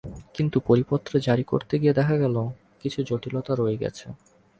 কিন্তু পরিপত্র জারি করতে গিয়ে দেখা গেল, কিছু জটিলতা রয়ে গেছে।